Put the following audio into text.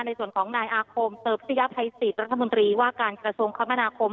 ในส่วนของนายอาคมเติบพิษยภัยสิทธิรัฐมนตรีว่าการกระทรวงคมนาคม